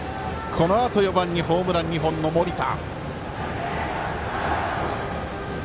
このあと４番にホームラン２本の森田。